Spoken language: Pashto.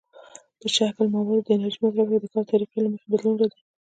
د شکل، موادو، د انرژۍ مصرف، یا د کار طریقې له مخې بدلون راځي.